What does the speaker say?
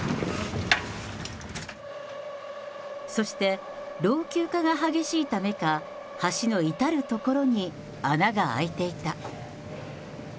そして、老朽化が激しいためか、橋の至る所に穴が開いていた。